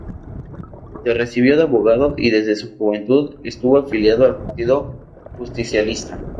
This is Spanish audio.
Se recibió de abogado y desde su juventud estuvo afiliado al Partido Justicialista.